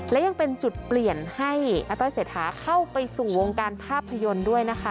และยังเป็นจุดเปลี่ยนให้อาต้อยเศรษฐาเข้าไปสู่วงการภาพยนตร์ด้วยนะคะ